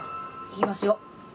行きますよ。